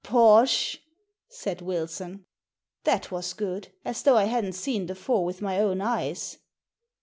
"Bosh! "said Wilson. That was good, as though I hadn't seen the four with my own eyes.